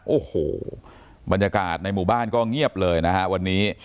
โอ้โหบรรยากาศในหมู่บ้านก็เงียบเลยนะฮะวันนี้